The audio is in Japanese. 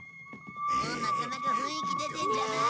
なかなか雰囲気出てるんじゃない？